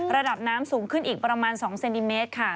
ระดับน้ำสูงขึ้นอีกประมาณ๒เซนติเมตรค่ะ